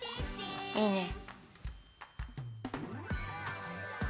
いいね。